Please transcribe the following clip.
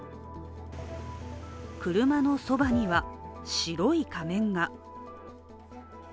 車のそばには、白い仮面が。